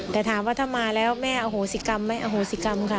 แต่ถามว่าถ้ามาแล้วแม่อโหสิกรรมไหมอโหสิกรรมค่ะ